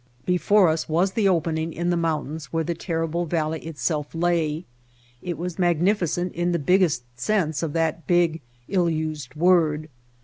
Before us was the opening in the mountains where the terrible valley itself lay. It was mag nificent in the biggest sense of that big, ill used word.